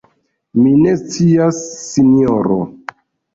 Mi ne scias, sinjoro.